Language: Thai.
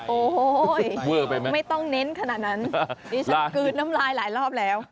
โอ้โหไม่ต้องเน้นขนาดนั้นดิฉันกลืนน้ำลายหลายรอบแล้ว